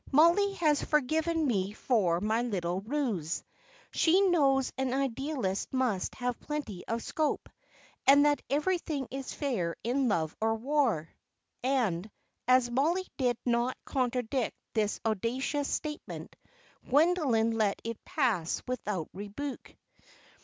"Mollie has forgiven me for my little ruse; she knows an idealist must have plenty of scope, and that everything is fair in love or war." And as Mollie did not contradict this audacious statement, Gwendoline let it pass without rebuke.